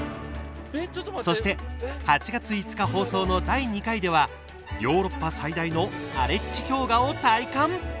そして、８月５日放送の第２回ではヨーロッパ最大のアレッチ氷河を体感。